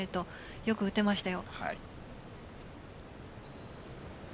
よく打てましたよ。